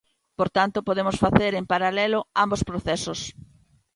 Por tanto, podemos facer en paralelo ambos procesos.